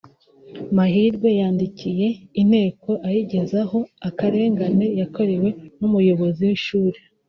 Mahirwe yandikiye Inteko ayigezaho akarengane yakorewe n’Umuyobozi w’Ishuri